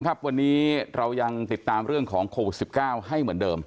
ครับวันนี้เรายังติดตามเรื่องของโควิด๑๙ให้เหมือนเดิม